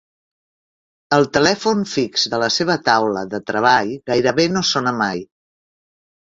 El telèfon fix de la seva taula de treball gairebé no sona mai.